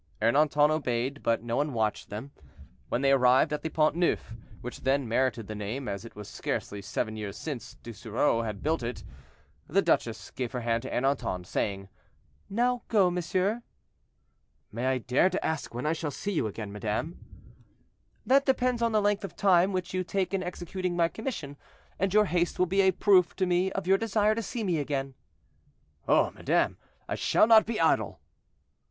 Ernanton obeyed, but no one watched them. When they arrived at the Pont Neuf, which then merited the name, as it was scarcely seven years since Ducerceau had built it, the duchess gave her hand to Ernanton, saying, "Now go, monsieur." "May I dare to ask when I shall see you again, madame?" "That depends on the length of time which you take in executing my commission, and your haste will be a proof to me of your desire to see me again." "Oh, madame, I shall not be idle."